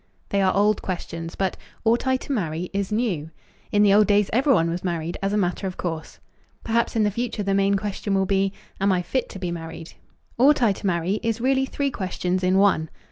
They are old questions, but "Ought I to marry?" is new. In the old days everyone was married as a matter of course. Perhaps in the future the main question will be, "Am I fit to be married?" "Ought I to marry?" is really three questions in one.